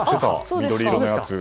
緑色のやつ。